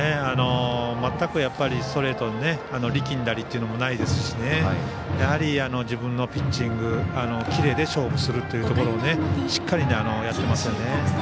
全くストレートに力んだりというのもないですしやはり、自分のピッチングキレで勝負するというところがしっかりやってますよね。